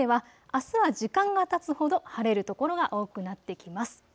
１つ目はあすは時間がたつほど晴れる所が多くなってきます。